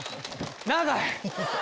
長い！